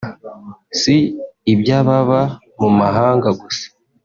si iby’ababa mu mahanga gusa